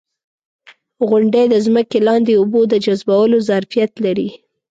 • غونډۍ د ځمکې لاندې اوبو د جذبولو ظرفیت لري.